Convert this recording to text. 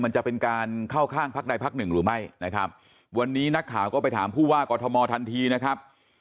มันจะเป็นการเข้าข้างพักใดพักหนึ่งหรือไม่นะครับวันนี้นักข่าวก็ไปถามผู้ว่ากอทมทันทีนะครับ